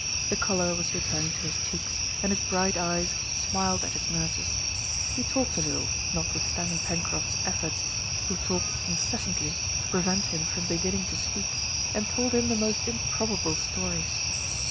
The color was returning to his cheeks, and his bright eyes smiled at his nurses. He talked a little, notwithstanding Pencroft's efforts, who talked incessantly to prevent him from beginning to speak, and told him the most improbable stories.